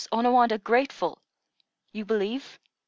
Onawandah grateful! You believe?"